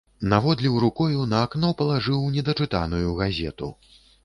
Наводліў рукою на акно палажыў недачытаную газету.